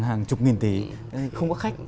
hàng chục nghìn tỷ không có khách